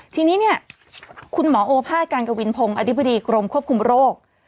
ทีนี้เนี่ยคุณหมอโอภาษการกวินพงศ์อธิบดีกรมควบคุมโรค